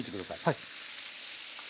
はい。